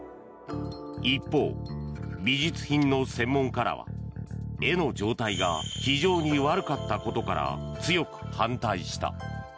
一方、美術品の専門家らは絵の状態が非常に悪かったことから強く反対した。